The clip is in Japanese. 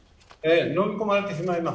のみ込まれてしまいます。